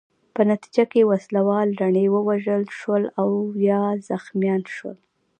په نتیجه کې وسله وال ژڼي ووژل شول او یا زخمیان شول.